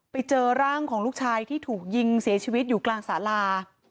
ไปเจอร่างของลูกชายที่ถูกยิงเสียชีวิตอยู่กลางสาลา